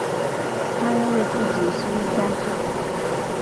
他认为自己是一家之主